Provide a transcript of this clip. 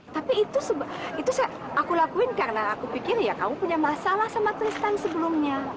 tapi itu aku lakuin karena aku pikir ya kamu punya masalah sama kristen sebelumnya